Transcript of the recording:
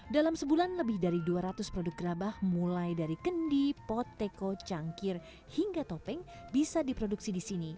dalam sebulan lebih dari dua ratus produk gerabah mulai dari kendi poteko cangkir hingga topeng bisa diproduksi di sini